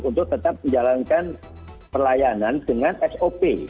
untuk tetap menjalankan pelayanan dengan sop